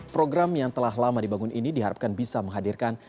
program yang telah lama dibangun ini diharapkan bisa menghadirkan